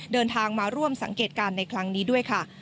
เดินทางมาร่วมสังเกตการณ์ในครั้งนี้ด้วยค่ะ